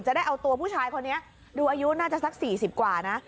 ได้เอาตัวผู้ชายคนนี้ดูอายุน่าจะสัก๔๐กว่านะ